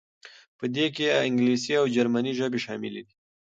په دې کې انګلیسي او جرمني ژبې شاملې دي.